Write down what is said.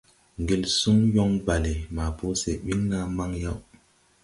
Ŋgel suŋ yɔŋ balle maa po sɛ ɓiŋ naa maŋ yaw.